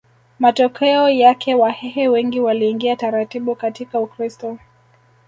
Matokeo yake Wahehe wengi waliingia taratibu katika Ukristo